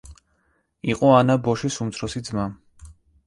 იყო ანა ბოშის უმცროსი ძმა.